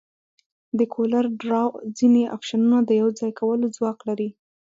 د کولر ډراو ځینې افشنونه د یوځای کولو ځواک لري.